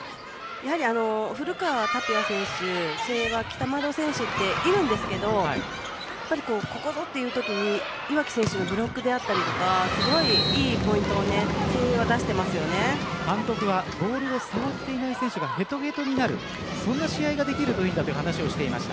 やはり、古川はタピア選手誠英は北窓選手がいるんですがここぞというときに岩城選手のブロックであったりとかすごいいいポイントを監督はボールを触っていない選手がヘトヘトになるそんな試合ができるといいんだと話していました。